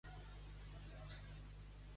A quin any es va produir el film?